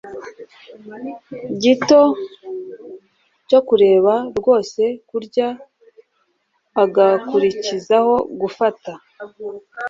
gito cyo kureka rwose kurya, agakurikizaho gufata